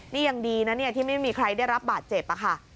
นี่ยังดีนะเนี่ยที่ไม่มีใครได้รับบาดเจ็บค่ะ